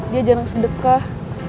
dia jarang sedekah